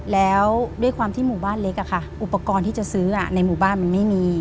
แล้วด้วยความที่หมู่บ้านเล็กอุปกรณ์ที่จะซื้อในหมู่บ้านมันไม่มี